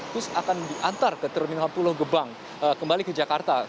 bus akan diantar ke terminal pulau gebang kembali ke jakarta